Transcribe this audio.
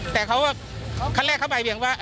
แต่เขาขั้นแรกเข้าไปว่า